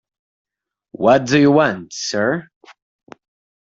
What do you want, sir?